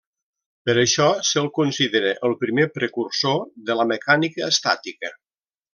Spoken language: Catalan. Per això se'l considera el primer precursor de la mecànica estàtica.